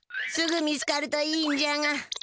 すぐ見つかるといいんじゃが。